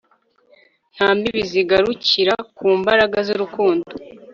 nta mbibi zigarukira ku mbaraga z'urukundo